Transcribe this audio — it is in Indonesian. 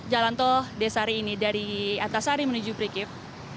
jalan tol desari ini dari antasari menuju prikip